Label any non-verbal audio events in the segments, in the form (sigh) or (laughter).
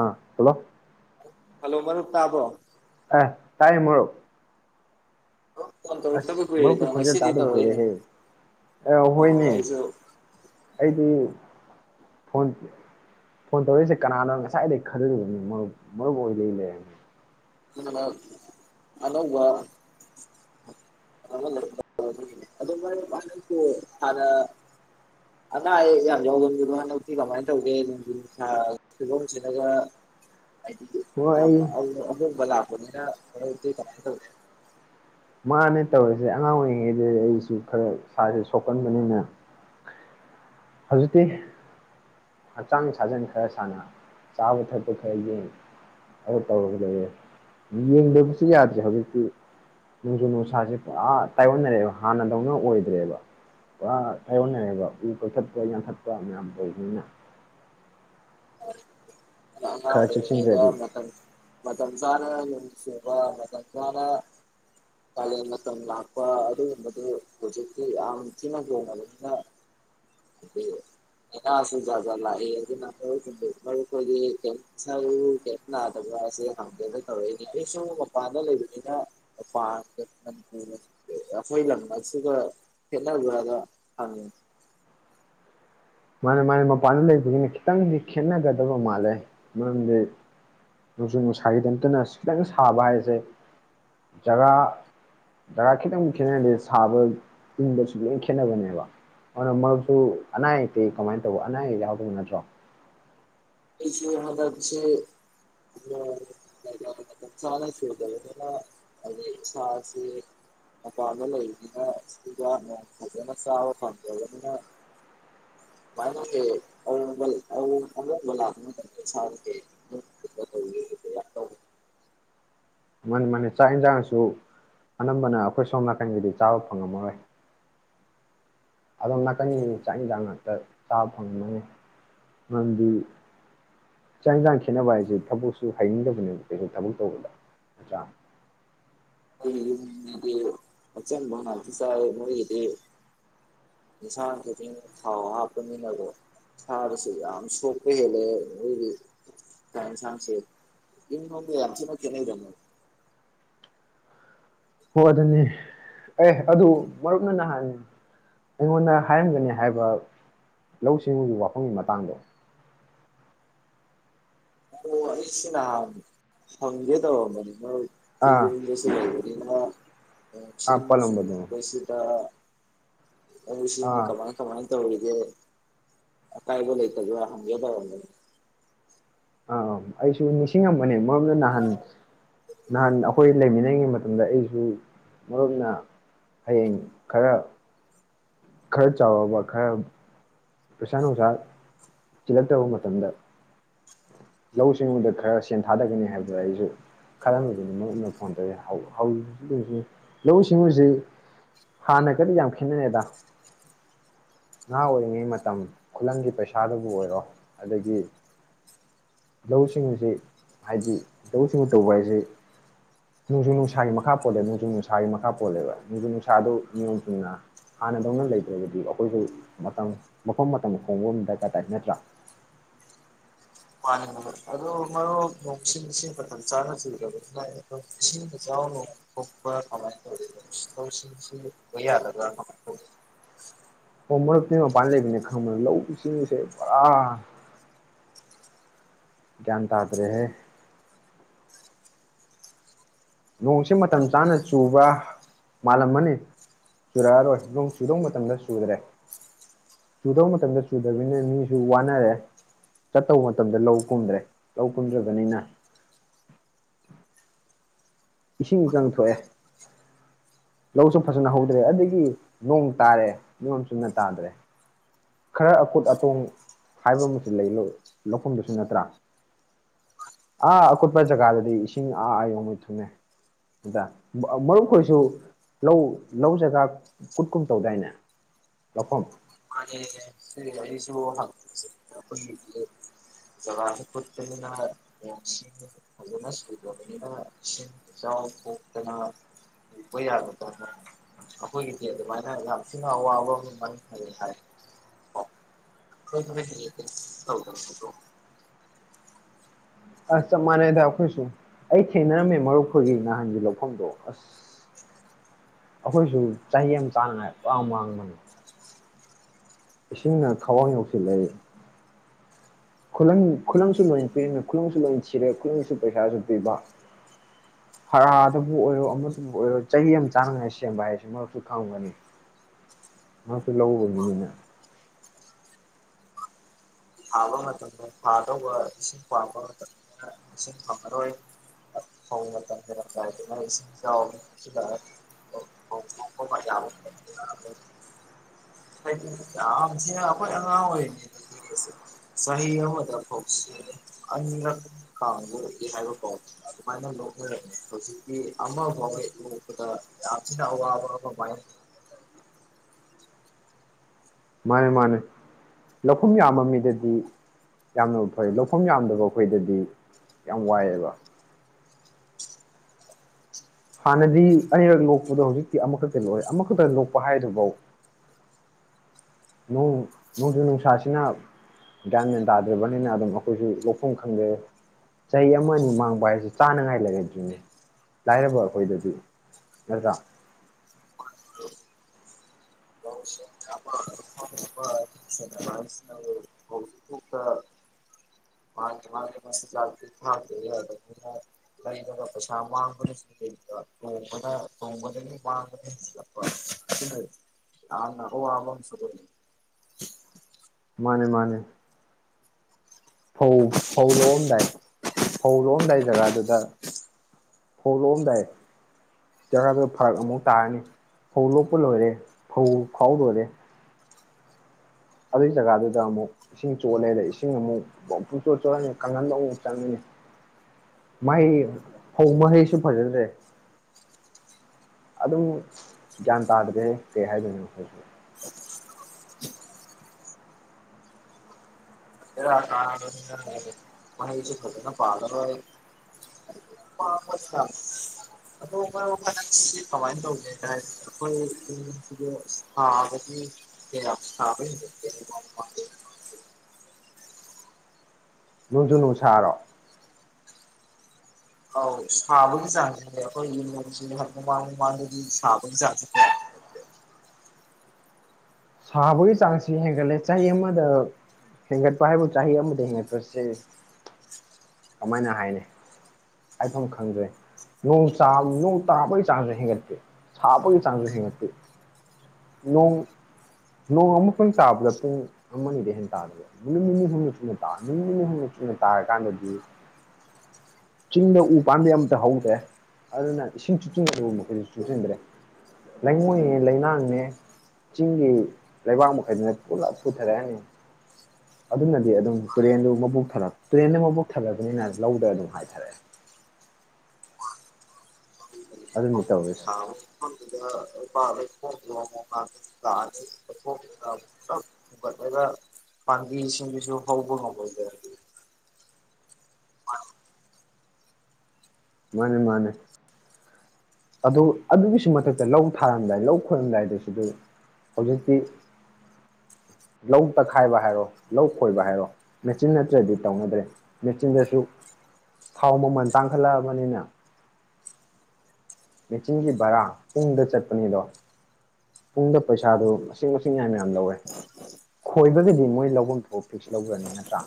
ꯑꯥ hello hello ꯃꯔꯨꯞ ꯇꯥꯕ꯭ꯔꯣ ꯑ ꯇꯥꯏꯌꯦ ꯃꯔꯨꯞ ꯐꯣꯟ ꯑꯁ ꯇꯧꯔꯛꯇꯕ ꯀꯨꯏꯔꯦꯗ ꯃꯔꯨꯞꯀꯤ ꯈꯣꯟꯖꯦꯜ ꯉꯁꯤꯗꯤ ꯇꯥꯗꯕ ꯇꯧꯔꯛꯏꯅꯦ ꯀꯨꯏꯔꯦꯍꯦ (unintelligible) ꯑꯧ ꯍꯣꯏꯅꯦ ꯑꯩꯁꯨ ꯑꯩꯗꯤ ꯐꯣꯟ ꯐꯣꯟ ꯇꯧꯔꯛꯏꯁꯦ ꯀꯅꯥꯅꯣ ꯉꯁꯥꯏꯗꯩ ꯈꯜꯂꯨꯔꯝꯅꯤ ꯃꯔꯨꯞ ꯃꯔꯨꯞ ꯑꯣꯏ ꯂꯤꯂꯩꯔꯝꯃꯦ (unintelligible) ꯑꯅꯧꯕ (unintelligible) ꯑꯗꯣ ꯚꯥꯏ ꯅꯪꯁꯦ ꯍꯥꯟꯅ ꯑꯅꯥ ꯑꯌꯦꯛ ꯌꯥꯝ ꯌꯥꯎꯒꯟꯕꯗꯣ ꯍꯟꯗꯛꯇꯤ ꯀꯃꯥꯏ ꯇꯧꯒꯦ ꯅꯣꯡꯖꯨ ꯅꯨꯡꯁꯥ ꯐꯤꯕꯝꯁꯤꯅꯒ ꯍꯣꯏ ꯑꯩ (unintelligible) ꯕꯥ ꯂꯥꯛꯄꯅꯤꯅ (unintelligible) ꯇꯤ ꯀꯃꯥꯏ ꯇꯧꯒꯦ ꯃꯥꯅꯦ ꯇꯧꯔꯤꯁꯦ ꯑꯉꯥꯡ ꯑꯣꯏꯔꯥꯉꯩꯗꯗꯤ ꯑꯩꯁꯨ ꯈꯔ ꯏꯁꯥꯁꯦ ꯁꯣꯛꯀꯟꯕꯅꯤꯅ ꯍꯧꯖꯤꯛꯇꯤ ꯍꯛꯆꯥꯡ ꯁꯥꯖꯦꯟ ꯈꯔ ꯁꯥꯟꯅꯕ ꯆꯥꯕ ꯊꯛꯄ ꯈꯔ ꯌꯦꯡ ꯑꯗꯨ ꯇꯧꯔꯒ ꯂꯩꯌꯦ ꯌꯦꯡꯗꯕꯁꯨ ꯌꯥꯗꯦ ꯍꯧꯖꯤꯛꯇꯤ ꯅꯣꯡꯖꯨ ꯅꯨꯡꯁꯥꯁꯦ ꯄꯨꯔꯥ ꯇꯥꯏꯑꯣꯟꯅꯔꯦꯕ ꯍꯥꯟꯅꯗꯧꯅ ꯑꯣꯏꯗ꯭ꯔꯦꯕ ꯄꯨꯔꯥ ꯇꯥꯏꯑꯣꯟꯅꯔꯦꯕ ꯎ ꯀꯛꯊꯠꯄ ꯌꯥꯟꯊꯠꯄ ꯃꯌꯥꯝ ꯇꯧꯕꯩꯅ (unintelligible) ꯑꯉꯥꯡ ꯈꯔ ꯑꯣꯏꯔꯤꯉꯩꯒ ꯆꯦꯛꯁꯤꯟꯗ꯭ꯔꯗꯤ ꯃꯇꯝ ꯃꯇꯝ ꯆꯥꯅ ꯅꯣꯡ ꯆꯨꯕ ꯃꯇꯝ ꯆꯥꯅ ꯀꯥꯂꯦꯟ ꯃꯇꯝ ꯂꯥꯛꯄ ꯑꯗꯨꯒꯨꯝꯕꯗꯨ ꯍꯧꯖꯤꯛꯇꯤ ꯌꯥꯝ ꯊꯤꯅ ꯍꯣꯡꯉꯕꯅꯤꯅ (unintelligible) ꯂꯩꯅꯥꯁꯨ ꯖꯥꯠ ꯖꯥꯠ ꯂꯥꯛꯑꯦ (unintelligible) ꯃꯔꯨꯞꯈꯣꯏꯗꯤ (unintelligible) ꯀꯦꯝ ꯅꯥꯗ꯭ꯕꯔꯥ ꯁꯤ ꯍꯪꯉꯛꯀꯦꯅ ꯇꯧꯔꯛꯏꯅꯦ ꯑꯩꯁꯨ ꯃꯄꯥꯟꯗ ꯂꯩꯕꯅꯤꯅ ꯃꯄꯥꯟꯗ (unintelligible) ꯑꯈꯣꯏ ꯂꯝꯅ ꯁꯤꯒ ꯈꯦꯠꯅꯕ꯭ꯔꯅ ꯍꯪꯏꯅꯦ ꯃꯥꯅꯦ ꯃꯥꯅꯦ ꯃꯄꯥꯟꯗ ꯂꯩꯕꯒꯤꯅꯦ ꯈꯤꯇꯪꯗꯤ ꯈꯦꯟꯅꯒꯗꯕ ꯃꯥꯜꯂꯦ ꯃꯔꯝꯗꯤ ꯅꯣꯡꯖꯨ ꯅꯨꯡꯁꯥꯒꯥ ꯗꯟꯇꯅ ꯈꯤꯇꯪ ꯁꯥꯕ ꯍꯥꯏꯒꯦ ꯖꯒꯥ ꯖꯒꯥ ꯈꯥꯇꯪꯕꯨ ꯈꯦꯟꯅꯔꯗꯤ ꯁꯥꯕ ꯏꯪꯕꯁꯨ ꯂꯣꯏ ꯈꯦꯟꯅꯕꯅꯦꯕ ꯑꯗꯣ ꯃꯔꯨꯞꯁꯨ ꯑꯅꯥ ꯑꯌꯦꯛ ꯇꯤ ꯀꯃꯥꯏ ꯇꯧꯕ ꯑꯅꯥ ꯑꯌꯦꯛ ꯌꯥꯎꯗꯕ ꯅꯠꯇ꯭ꯔꯣ ꯑꯩꯁꯦ ꯍꯟꯗꯛꯁꯦ (unintelligible) ꯍꯥꯏꯗꯤ ꯏꯁꯥꯁꯤ ꯃꯄꯥꯟꯗ ꯂꯩꯕꯅꯤꯅ (unintelligible) ꯐꯖꯅ ꯆꯥꯕ ꯐꯪꯗꯕꯅꯤꯅ ꯕꯥꯏ ꯅꯪꯒꯤ (unintelligible) ꯑꯍꯣꯡꯕ ꯂꯥꯛ (unintelligible) ꯃꯥꯅꯤ ꯃꯥꯅꯤ ꯆꯥꯛ ꯏꯟꯖꯥꯡꯁꯨ ꯑꯅꯝꯕꯅ ꯑꯈꯣꯏ ꯁꯣꯝ ꯅꯥꯀꯟꯒꯥꯗꯤ ꯆꯥꯕ ꯐꯪꯉꯝꯃꯔꯣꯏ ꯑꯗꯣꯝ ꯅꯥꯀꯟ ꯆꯥꯛ ꯏꯟꯖꯥꯡ ꯉꯥꯛꯇ ꯆꯥꯕ ꯐꯪꯉꯝꯅꯤ ꯅꯪꯗꯤ ꯆꯥꯛ ꯏꯟꯖꯥꯡ ꯈꯦꯠꯅꯕ ꯍꯥꯏꯁꯦ ꯊꯕꯛꯁꯨ ꯍꯩꯅꯤꯡꯗꯕꯅꯦꯕ ꯀꯩꯁꯨ ꯊꯕꯛ ꯇꯧꯕꯗ ꯈꯣꯏꯒꯤ ꯌꯨꯝꯖꯤꯗꯤ ꯑꯆꯝꯕ ꯉꯥꯛꯇ ꯆꯥꯕ ꯃꯤꯏꯒꯤꯗꯤ ꯏꯟꯁꯥꯡ ꯈꯨꯗꯤꯡ ꯊꯥꯎ ꯍꯥꯞꯄꯅꯤꯅꯀꯣ ꯁꯥꯗꯁꯨ ꯌꯥꯝ ꯁꯣꯛꯄ ꯍꯦꯜꯂꯦ ꯑꯗꯩꯗꯤ ꯆꯥꯛ ꯏꯟꯁꯥꯡꯁꯦ ꯏꯪ ꯐꯥꯎꯗ ꯌꯥꯝ ꯊꯤꯅ ꯈꯦꯠꯅꯩꯗ ꯃꯣꯏ ꯍꯣ ꯑꯗꯨꯅꯦ ꯑꯦ ꯑꯗꯣ ꯃꯔꯨꯞ ꯅ ꯅꯥꯍꯥꯟ ꯑꯩꯉꯣꯟꯗ ꯍꯥꯏꯔꯝꯒꯅꯤ ꯍꯥꯏꯕ ꯂꯧ ꯁꯤꯡꯎꯒꯤ ꯋꯥꯐꯝꯒꯤ ꯃꯇꯥꯡꯗꯣ ꯑꯣ ꯑꯩꯁꯤ ꯅꯍꯥꯟ ꯍꯪꯒꯦ ꯇꯧꯔꯝꯕꯅꯤ ꯅꯣꯏ ꯑꯥ (unintelligible) ꯂꯩꯕꯅꯤꯅ ꯑꯥ ꯄꯜꯂꯝꯕꯗꯣ (unintelligible) ꯂꯧ ꯁꯤꯡ ꯑꯥ ꯀꯃꯥꯏ ꯀꯃꯥꯏ ꯇꯧꯔꯤꯒꯦ ꯑꯀꯥꯏꯕ ꯂꯩꯍꯕ꯭ꯔ ꯍꯪꯒꯦ ꯇꯧꯔꯝꯕꯅꯤ ꯑꯥ ꯑꯝ ꯑꯩꯁꯨ ꯅꯤꯡꯁꯤꯡꯉꯝꯕꯅꯦ ꯃꯔꯨꯞꯅ ꯅꯍꯥꯟ ꯅꯍꯥꯏ ꯑꯈꯣꯏ ꯂꯩꯃꯤꯟꯅꯩꯉꯩ ꯃꯇꯝꯗ ꯑꯩꯁꯨ ꯃꯔꯨꯞꯅ ꯍꯌꯦꯡ ꯈꯔ ꯈꯔ ꯆꯥꯎꯔꯕ ꯈꯔ ꯄꯩꯁꯥ ꯅꯨꯡꯁꯥ ꯆꯤꯜꯂꯛꯇꯕ ꯃꯇꯝꯗ ꯂꯧꯁꯤꯎꯗ ꯈꯔ ꯁꯦꯟ ꯊꯥꯗꯒꯅꯤ ꯍꯥꯐꯕꯗꯣ ꯑꯩꯖꯨ ꯈꯜꯂꯝꯃꯤꯅꯦ ꯃꯔꯨꯞꯅ ꯐꯣꯟ (unintelligible) ꯂꯧꯎ ꯁꯤꯡꯎꯁꯤ ꯍꯥꯟꯅꯒꯗꯤ ꯌꯥꯝ ꯈꯦꯟꯅꯔꯦꯗ ꯅꯍꯥ ꯑꯣꯏꯔꯤꯉꯩ ꯃꯇꯝ ꯈꯨꯜꯂꯪꯒꯤ ꯄꯩꯁꯥ ꯗꯕꯨ ꯑꯣꯏꯔꯣ ꯑꯗꯒꯤ ꯂꯧ ꯁꯤꯡꯎꯁꯤ ꯍꯥꯏꯗꯤ ꯂꯧꯎ ꯁꯤꯡꯎ ꯇꯧꯕꯁꯤ ꯅꯣꯡꯖꯨ ꯅꯨꯡꯁꯥꯒꯤ ꯃꯈꯥ ꯄꯣꯜꯂꯦ ꯅꯣꯡꯖꯨ ꯅꯨꯡꯁꯥꯒꯤ ꯃꯈꯥ ꯄꯣꯜꯂꯦꯕ ꯅꯣꯡꯖꯨ ꯅꯨꯡꯁꯥꯗꯨ ꯅꯤꯌꯣꯝ ꯆꯨꯝꯅ ꯍꯥꯟꯅ ꯗꯧꯅ ꯂꯩꯇꯔꯕꯗꯤ ꯑꯈꯣꯏꯁꯨ ꯃꯇꯝ ꯃꯐꯝ ꯃꯇꯝ ꯍꯣꯡꯕꯝ ꯗꯔꯀꯥꯔ ꯇꯥꯏ ꯅꯠꯇ꯭ꯔꯥ ꯃꯥꯅꯤ ꯃꯔꯨꯞ ꯑꯗꯣ ꯃꯔꯨꯞ ꯅꯣꯡꯁꯤꯡꯁꯤ ꯃꯇꯝ ꯆꯥꯅ ꯆꯨꯔꯕꯗꯤ (unintelligible) ꯑꯗꯣ ꯏꯁꯤꯡ ꯏꯆꯥꯎ ꯊꯣꯛꯄ ꯀꯃꯥꯏ ꯇꯧꯏ (unintelligible) ꯂꯧ ꯁꯤꯡꯁꯤ ꯕ ꯌꯥꯗꯕ꯭ꯔꯥ ꯀꯃꯥꯏ ꯇꯧꯏ ꯑꯣ ꯃꯔꯨꯞꯇꯤ ꯃꯄꯥꯟ ꯂꯩꯕꯅꯤꯅ ꯈꯪꯉꯝꯃꯔꯣꯏ ꯂꯧꯁꯤꯡꯁꯦ ꯄꯨꯔꯥ ꯒ꯭ꯌꯥꯟ ꯇꯥꯗ꯭ꯔꯦ ꯍꯦ ꯅꯣꯡꯁꯤ ꯃꯇꯝ ꯆꯥꯅ ꯆꯨꯕ ꯃꯥꯜꯂꯝꯃꯅꯤ ꯆꯨꯔꯛꯑꯔꯣꯏ ꯅꯣꯡ ꯆꯨꯗꯧ ꯃꯇꯝꯗ ꯆꯨꯗ꯭ꯔꯦ ꯆꯨꯗꯧ ꯃꯇꯝꯗ ꯆꯨꯗ꯭ꯔꯝꯅꯤꯅ ꯃꯤꯁꯨ ꯋꯥꯅꯔꯦ ꯆꯠꯇꯧ ꯃꯇꯝꯗ ꯂꯧ ꯀꯨꯝꯗ꯭ꯔꯦ ꯂꯧ ꯀꯨꯝꯗ꯭ꯔꯕꯅꯤꯅ ꯏꯁꯤꯡ ꯏꯀꯪ ꯊꯣꯛꯑꯦ ꯂꯧꯁꯨ ꯐꯖꯟꯅ ꯍꯧꯗ꯭ꯔꯦ ꯑꯗꯒꯤ ꯅꯣꯡ ꯇꯥꯔꯦ ꯅꯤꯌꯣꯝ ꯆꯨꯝꯅ ꯇꯥꯗ꯭ꯔꯦ ꯈꯔ ꯑꯀꯨꯠ ꯑꯇꯣꯡ ꯍꯥꯏꯕꯃꯁꯨ ꯂꯩ ꯂꯧ ꯂꯧꯐꯝꯗꯨꯁꯨ ꯅꯠꯇ꯭ꯔꯥ ꯑꯥ ꯑꯀꯨꯠꯄ ꯖꯒꯥꯗꯗꯤ ꯏꯁꯤꯡ ꯑꯥ ꯌꯧꯅ ꯊꯨꯝꯃꯦ (unintelligible) ꯃꯔꯨꯞ ꯈꯣꯏꯁꯨ ꯂꯧ ꯖꯒꯥ ꯀꯨꯠꯀꯨꯝ ꯇꯨꯗꯥꯏꯅꯦ ꯂꯧꯐꯝ ꯃꯥꯟꯅꯦ ꯀꯩꯅꯣꯍꯣꯢꯁꯨ ꯑꯩꯈꯣꯢꯒꯤꯁꯨ ꯖꯒꯥꯗꯣ ꯀꯨꯠꯄꯅꯤꯅ ꯅꯣꯡ ꯏꯁꯤꯡꯖꯨ ꯐꯖꯅ ꯖꯨꯗ꯭ꯔꯕꯅꯤꯅ ꯏꯁꯤꯡ ꯏꯆꯥꯎ ꯊꯣꯛꯇꯅ ꯎꯕ ꯌꯥꯗꯕ ꯃꯑꯣꯡ ꯑꯩꯈꯣꯢꯒꯤꯗꯤ ꯑꯗꯨꯃꯥꯢ ꯌꯥꯝ ꯊꯤꯅ ꯑꯋꯥꯕ ꯃꯥꯢꯌꯣꯛꯅꯔꯦ ꯍꯥꯏ ꯑꯩꯈꯣꯢ (unintelligible) ꯑ ꯆꯞꯃꯥꯟꯅꯩꯗ ꯑꯩꯈꯣꯢꯁꯨ ꯑꯩ ꯊꯦꯡꯅꯔꯝꯃꯦ ꯃꯔꯨꯞꯈꯣꯢꯒꯤ ꯉꯍꯥꯟꯒꯤ ꯂꯧꯐꯝꯗꯣ ꯑꯁ ꯑꯩꯈꯣꯢꯁꯨ ꯆꯍꯤ ꯑꯃ ꯆꯥꯅꯉꯥꯢ ꯌꯥꯝ ꯋꯥꯟꯕꯅꯦ ꯏꯁꯤꯡꯅ ꯈ꯭ꯋꯥꯡ ꯌꯧꯁꯤꯜꯂꯦ ꯈꯨꯂꯪ ꯈꯨꯂꯪꯁꯨ ꯂꯣꯢ ꯄꯤꯔ ꯈꯨꯂꯪꯁꯨ ꯂꯣꯢ ꯊꯤꯔ ꯈꯨꯂꯪꯁꯨ ꯄꯩꯁꯥꯁꯨ ꯄꯤꯕ ꯍꯥꯔꯗꯕꯨ ꯑꯣꯢꯔꯣ ꯑꯃꯗꯕꯨ ꯑꯣꯢꯔꯣ ꯆꯍꯤ ꯑꯃ ꯆꯥꯅꯉꯥꯏ ꯁꯦꯝꯕ ꯍꯥꯢꯁꯤ ꯃꯔꯨꯞꯁꯨ ꯈꯪꯂꯝꯒꯅꯤ ꯃꯔꯨꯞꯁꯨ ꯂꯧ ꯎꯕꯅꯤꯅ ꯐꯧ ꯊꯥꯕ ꯃꯇꯝ ꯊꯥꯗꯧꯕ ꯏꯁꯤꯡ ꯄꯥꯝꯕ ꯃꯇꯝꯗꯅ ꯏꯁꯤꯡ ꯐꯪꯉꯔꯣꯢ ꯐꯧ ꯃꯇꯝ ꯍꯦꯜꯂꯝꯗꯥꯢꯗꯅ ꯏꯁꯤꯡ ꯌꯥꯎꯔꯔꯣꯢ ꯐꯧ ꯂꯣꯛꯄ ꯌꯥꯕ ꯃꯇꯝꯗꯅ ꯑꯃꯨꯛ ꯍꯥꯗꯤ ꯌꯥꯝ ꯊꯤꯅ ꯑꯩꯈꯣꯢ ꯑꯉꯥꯡ ꯑꯣꯢꯔꯤꯉꯩꯗꯗꯤ ꯁꯤ ꯆꯍꯤ ꯑꯃꯗ ꯐꯧꯁꯤ ꯑꯅꯤꯔꯛ ꯊꯥꯕ ꯍꯥꯢꯕ ꯐꯧꯁꯤ ꯑꯗꯨꯃꯥꯢꯅ ꯂꯣꯛꯅꯔꯝꯃꯤ ꯍꯧꯖꯤꯛꯇꯤ ꯑꯃꯐꯥꯎꯕ ꯂꯣꯛꯄꯗ ꯌꯥꯝ ꯊꯤꯅ ꯑꯋꯥꯕ ꯑꯃ ꯃꯥꯢꯌꯣꯛꯅꯔꯦ ꯍꯥꯢ ꯇꯥꯔꯦ ꯃꯥꯟꯅꯦ ꯃꯥꯟꯅꯦ ꯂꯧꯐꯝ ꯌꯥꯝꯕ ꯃꯤꯗꯗꯤ ꯌꯥꯝꯅꯕꯨ ꯐꯔꯤ ꯂꯧꯐꯝ ꯌꯥꯝꯗꯕ ꯑꯩꯈꯣꯢꯗꯗꯤ ꯌꯥꯝ ꯋꯥꯌꯦꯕ ꯍꯥꯟꯅꯗꯤ ꯑꯅꯤꯔꯛ ꯂꯣꯛꯄꯗꯣ ꯍꯧꯖꯤꯛꯇꯤ ꯑꯃꯨꯛꯈꯛꯇ ꯂꯣꯛꯑꯦ ꯑꯃꯨꯛꯈꯛꯇ ꯂꯣꯛꯄ ꯍꯥꯢꯗꯨꯕꯧ ꯅꯣꯡ ꯅꯣꯡꯖꯨ ꯅꯨꯡꯁꯥꯁꯤꯅ ꯒ꯭ꯌꯥꯟ ꯃꯦꯟ ꯇꯥꯗ꯭ꯔꯕꯅꯤꯅ ꯑꯗꯨꯝ ꯑꯩꯈꯣꯢꯁꯨ ꯂꯣꯛꯐꯝ ꯈꯪꯗ꯭ꯔꯦ ꯆꯍꯤ ꯑꯃ ꯑꯅꯤ ꯃꯥꯡꯕ ꯍꯥꯢꯁꯦ ꯆꯥꯅꯤꯉꯥꯢ ꯂꯩꯔꯛꯇ꯭ꯔꯤꯅꯦ ꯂꯥꯢꯔꯕ ꯑꯩꯈꯣꯢꯗꯗꯤ ꯅꯠꯇ꯭ꯔ ꯂꯧꯁꯤꯡ (unintelligible) ꯃꯥꯟꯅꯦ ꯃꯥꯟꯅꯦ ꯃꯆꯤꯟꯖꯥꯛꯇꯤ ꯊꯛꯇꯕ ꯌꯥꯗꯕꯅꯤꯅ ꯂꯩꯔꯒ ꯄꯩꯁꯥ ꯃꯥꯡꯕꯅ ꯁꯨꯝ ꯍꯦꯟꯖꯤꯜꯂꯛ ꯇꯣꯡꯕꯅ ꯇꯣꯡꯕꯗꯒꯤ ꯃꯥꯡꯕꯅ ꯍꯦꯟꯖꯤꯜꯂꯛꯄ ꯑꯁꯤꯅ ꯌꯥꯝꯅ ꯑꯋꯥꯕ ꯑꯃꯁꯨ ꯑꯣꯢꯔꯤ ꯃꯥꯟꯅꯦ ꯃꯥꯟꯅꯦ ꯐꯧ ꯐꯧ ꯂꯣꯛꯑꯝꯗꯥꯢ ꯐꯧ ꯂꯣꯛꯑꯝꯗꯥꯢ ꯖꯒꯥꯗꯨꯗ ꯐꯧ ꯂꯣꯛꯑꯝꯗꯥꯢ ꯖꯒꯥꯗꯨ ꯐꯔꯛ ꯑꯃꯨꯛ ꯇꯥꯔꯅꯤ ꯐꯧ ꯂꯣꯛꯄ ꯂꯣꯢꯔꯦ ꯐꯧ ꯈꯥꯎ ꯗꯧꯔꯦ ꯑꯗꯨꯢ ꯖꯒꯥꯗꯨꯗ ꯑꯃꯨꯛ ꯏꯁꯤꯡ ꯆꯣꯠꯂꯦꯅ ꯏꯁꯤꯡ ꯑꯃꯨꯛ ꯄꯨꯡꯆꯣꯠ ꯆꯣꯠꯂꯦꯅꯤ ꯀꯪꯍꯟꯕ ꯑꯃꯨꯛ ꯆꯪꯉꯅꯤ ꯃꯥꯢ ꯐꯧ ꯃꯍꯩꯁꯨ ꯐꯖꯗ꯭ꯔꯦ ꯑꯗꯨ ꯏꯁ ꯒ꯭ꯌꯥꯟ ꯇꯥꯗ꯭ꯔꯦ ꯀꯩ ꯍꯥꯢꯗꯨꯢꯅꯣ ꯑꯩꯁꯨ ꯕꯦꯔꯥ ꯀꯥꯔꯕꯅꯤꯅ ꯑꯃꯨꯛ ꯃꯍꯩꯁꯨ ꯐꯖꯅ ꯄꯥꯜꯂꯔꯣꯢ ꯃꯥꯡꯉꯕꯅꯤꯅ ꯑꯇꯣꯞꯄ ꯃꯍꯩꯁꯨ ꯀꯃꯥꯢ ꯇꯧꯅꯤꯅ ꯏꯕꯣ ꯁꯥꯕꯒꯤ ꯀꯌꯥꯝ ꯁꯥꯕ ꯍꯦꯟꯈꯠꯀꯦꯗꯣ ꯃꯃꯥꯡ ꯃꯃꯥꯡꯗꯩ ꯅꯣꯡꯖꯨ ꯅꯨꯡꯁꯥꯔꯣ ꯑꯧ ꯁꯥꯕꯒꯤ ꯆꯥꯡꯁꯦ ꯑꯩꯈꯣꯢꯒꯤ ꯅꯨꯡꯁꯥ ꯃꯃꯥꯡ ꯃꯃꯥꯡꯗꯒꯤ ꯁꯥꯕꯒꯤ ꯆꯥꯡꯁꯤ ꯀꯌꯥꯝ ꯍꯦꯟꯈꯠꯀꯦ ꯁꯥꯕꯒꯤ ꯆꯥꯡꯁꯤ ꯍꯦꯟꯒꯠꯂꯦ ꯆꯍꯤ ꯑꯃꯗ ꯍꯦꯟꯒꯠꯄ ꯍꯥꯢꯕꯨ ꯆꯍꯤ ꯑꯃꯗ ꯍꯦꯟꯒꯠꯄꯁꯤ ꯀꯃꯥꯢꯅ ꯍꯥꯢꯅꯤ ꯍꯥꯢꯐꯝ ꯈꯪꯗ꯭ꯔꯦ ꯅꯣꯡ ꯆꯥꯡ ꯅꯣꯡ ꯇꯥꯕꯒꯤ ꯆꯥꯡꯖꯨ ꯍꯦꯟꯒꯠꯄꯤ ꯁꯥꯕꯒꯤ ꯆꯥꯡꯁꯨ ꯍꯦꯟꯒꯠꯄꯤ ꯅꯣꯡ ꯅꯣꯡ ꯑꯃꯨꯛꯇꯪ ꯇꯥꯕꯗ ꯄꯨꯡ ꯑꯃ ꯅꯤꯗꯩ ꯍꯦꯟꯅ ꯇꯥꯗ꯭ꯔꯦ ꯅꯤꯅꯤ ꯍꯨꯝꯅꯤꯁꯨꯅ ꯇꯥꯗ꯭ꯔꯦ ꯅꯤꯅꯤ ꯍꯨꯝꯅꯤꯁꯨꯅ ꯇꯥꯔ ꯀꯥꯟꯗꯗꯤ ꯆꯤꯡꯗ ꯎ ꯄꯥꯟꯕꯤ ꯑꯃꯠꯇ ꯍꯧꯗ꯭ꯔꯦ ꯑꯗꯨꯅ ꯏꯁꯤꯡ ꯆꯨꯞꯁꯤꯟꯒꯗꯕ ꯃꯈꯩꯁꯨ ꯆꯨꯞꯁꯤꯟꯗ꯭ꯔꯦ ꯂꯩꯉꯣꯢꯅꯦ ꯂꯩꯅꯥꯡꯅꯦ ꯆꯤꯡꯒꯤ ꯂꯩꯕꯥꯛ ꯃꯈꯩꯗꯨꯅ ꯄꯨꯂꯞ ꯄꯨꯊꯔꯅꯤ ꯑꯗꯨꯅꯗꯤ ꯑꯗꯨꯝ ꯇꯨꯔꯦꯜꯗꯨ ꯃꯕꯨꯛ ꯊꯜꯂꯛ ꯃꯕꯨꯛ ꯊꯜꯂꯕꯅꯤꯅ ꯂꯧꯗ ꯑꯗꯨꯝ ꯍꯥꯢꯊꯔꯦ ꯑꯗꯨꯅꯤ ꯇꯧꯔꯤꯁꯦ ꯑꯗꯨꯒ ꯂꯩꯕꯥꯛ ꯂꯩꯈꯣꯝꯗꯣ ꯑꯃꯨꯛ ꯃꯥꯡꯍꯜꯂꯛꯑꯅꯤ ꯂꯩꯈꯣꯝꯗꯨꯅ ꯑꯃꯨꯛꯇ ꯐꯨꯟꯒꯠꯂꯒ ꯄꯥꯟꯕꯤ ꯁꯤꯡꯕꯤꯁꯨ ꯍꯧꯕ ꯉꯝꯂꯣꯢꯗꯣꯢꯅꯤ ꯃꯥꯅꯤ ꯃꯥꯅꯤ ꯑꯗꯨ ꯑꯗꯨꯒꯤꯁꯨ ꯃꯊꯛꯇ ꯂꯧ ꯊꯥꯔꯝꯗꯥꯢ ꯂꯧ ꯈꯣꯢꯔꯝꯗꯥꯢꯁꯨ ꯑꯗꯨ ꯍꯧꯖꯤꯛꯇꯤ ꯂꯧ ꯇꯈꯥꯢꯕ ꯍꯥꯏꯔꯣ ꯂꯧ ꯈꯣꯢꯕ ꯍꯥꯢꯔꯣ ꯃꯦꯆꯤꯟ ꯅꯠꯇ꯭ꯔꯗꯤ ꯇꯧꯅꯗ꯭ꯔꯦ ꯃꯦꯆꯤꯟꯗꯁꯨ ꯊꯥꯎ ꯃꯃꯟ ꯇꯥꯡꯈꯠꯂꯛꯑꯕꯅꯤꯅ ꯃꯦꯆꯤꯟꯒꯤ ꯕꯥꯔꯥ ꯄꯨꯡꯗ ꯆꯠꯄꯅꯤꯗꯣ ꯄꯨꯡꯗ ꯄꯩꯁꯥꯗꯨ ꯃꯁꯤꯡ ꯃꯁꯤꯡ ꯌꯥꯝ ꯌꯥꯝ ꯂꯧꯔꯦ ꯈꯣꯢꯕꯒꯤꯗꯤ ꯃꯣꯢ ꯂꯧꯚꯝ ꯊꯣꯛꯄꯁꯨ ꯂꯧꯒ꯭ꯔꯅꯤ ꯅꯠꯇ꯭ꯔ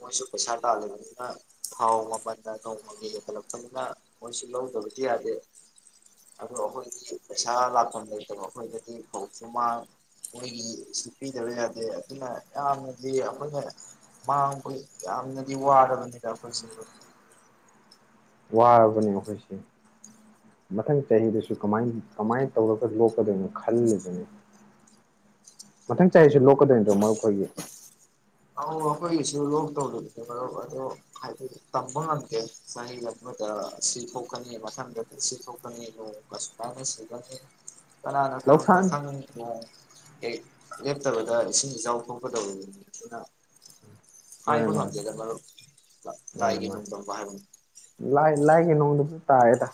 ꯃꯣꯢꯁꯨ ꯄꯩꯁꯥ ꯇꯥꯜꯂꯤꯕꯅꯤꯅ ꯊꯥꯎ ꯃꯃꯟꯅ ꯅꯣꯡꯃꯒꯤ ꯍꯦꯟꯒꯠꯂꯛꯄꯅꯤꯅ ꯃꯣꯢꯁꯨ ꯂꯧꯗꯕꯗꯤ ꯌꯥꯗꯦ ꯑꯗꯣ ꯑꯩꯈꯣꯢꯗꯤ ꯄꯩꯁꯥ ꯂꯥꯛꯐꯝ ꯂꯩꯇꯕ ꯑꯩꯈꯣꯢꯗꯗꯤ ꯐꯩꯁꯨ ꯃꯥꯡ ꯃꯣꯢꯒꯤꯁꯨ ꯄꯤꯗꯕ ꯌꯥꯗꯦ ꯑꯗꯨꯅ ꯌꯥꯝꯅꯗꯤ ꯑꯩꯈꯣꯢꯅ ꯃꯥꯡꯕꯒꯤ ꯌꯥꯝꯅꯗꯤ ꯋꯥꯔꯕꯅꯤꯗ ꯑꯩꯈꯣꯢꯁꯤ ꯃꯔꯨꯞ ꯋꯥꯔꯕꯅꯤꯕꯣ ꯑꯩꯈꯣꯢꯁꯦ ꯃꯊꯪ ꯆꯍꯤꯗꯁꯨ ꯀꯃꯥꯢ ꯀꯃꯥꯢ ꯇꯧꯔꯒ ꯂꯣꯛꯀꯗꯨꯢꯅꯣ ꯈꯜꯂꯤꯕꯅꯤ ꯃꯊꯪ ꯆꯍꯤꯁꯨ ꯂꯣꯛꯀꯗꯨꯢ ꯅꯠꯇ꯭ꯔ ꯃꯔꯨꯞꯈꯣꯢꯒꯤ ꯍꯣ ꯑꯩꯈꯣꯢꯒꯤꯁꯨ ꯂꯣꯛꯇꯧꯔꯤꯅꯤ ꯃꯔꯨꯞ ꯑꯗꯣ ꯍꯥꯢꯐꯦꯠ ꯇꯝꯕ ꯉꯝꯗꯦ ꯆꯍꯤ ꯑꯃꯗ ꯁꯤ ꯊꯣꯛꯀꯅꯤ ꯃꯊꯪꯗꯗꯤ ꯁꯤ ꯊꯣꯛꯀꯅꯤ ꯅꯣꯡꯅ ꯁꯨꯃꯥꯢꯅ ꯆꯨꯒꯅꯤ ꯀꯅꯥꯅ ꯈꯪꯕ ꯂꯧꯁꯥꯟ ꯃꯊꯪ ꯅꯣꯡ ꯀꯩ ꯂꯦꯞꯇꯕꯗ ꯏꯁꯤꯡ ꯏꯆꯥꯎ ꯊꯣꯛꯀꯗꯧꯔꯤꯅꯤ ꯑꯗꯨꯅ ꯃꯥꯅꯦ ꯍꯥꯢꯕ ꯃꯥꯅꯦ ꯉꯝꯗꯦꯗ ꯃꯔꯨꯞ ꯂ ꯂꯥꯢꯒꯤ ꯅꯣꯡꯗꯝꯕ ꯍꯥꯏꯕꯗꯨꯅꯤ ꯂꯥꯢꯒꯤ ꯅꯣꯡꯗꯝꯗ ꯇꯥꯔꯦꯗ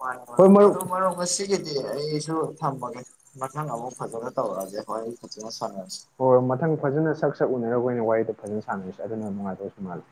ꯃꯥꯟꯅꯦ ꯃꯔꯨꯞ ꯃꯔꯨꯞ ꯃꯔꯨꯞ ꯉꯁꯤꯒꯤ ꯑꯩꯁꯨ ꯊꯝꯃꯒꯦ ꯃꯊꯪ ꯑꯃꯨꯛ ꯐꯖꯅ ꯇꯧꯔꯛꯑꯒꯦ ꯍꯣꯔꯦꯟ ꯐꯖꯅ ꯁꯥꯟꯅꯔꯁꯤ ꯍꯣꯢ ꯃꯊꯪ ꯐꯖꯅ ꯁꯛ ꯁꯛ ꯎꯅꯔꯒ ꯑꯣꯢꯅ ꯋꯥꯔꯤꯗꯣ ꯐꯖꯅ ꯁꯥꯟꯅꯔꯁꯤ ꯑꯗꯨꯅ ꯅꯨꯡꯉꯥꯢꯗꯧꯖꯨ ꯃꯥꯜꯂꯤ